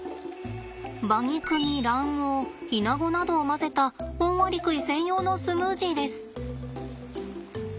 馬肉に卵黄イナゴなどを混ぜたオオアリクイ専用のスムージーです。